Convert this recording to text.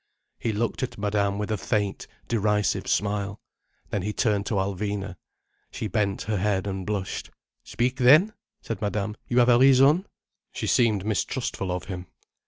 He looked at Madame with a faint derisive smile. Then he turned to Alvina. She bent her head and blushed. "Speak then," said Madame, "you have a reason." She seemed mistrustful of him.